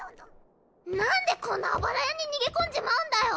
なんでこんな荒家に逃げ込んじまうんだよ？